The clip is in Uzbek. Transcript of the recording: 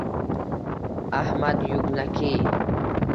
Ahmad Yugnakiy